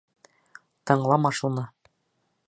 Тыңлама шуны.